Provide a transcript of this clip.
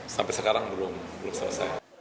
sampai sekarang belum selesai